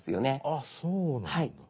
あっそうなんだ。